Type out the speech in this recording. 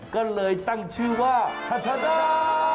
ก็เลยตั้งชื่อว่าพัฒนา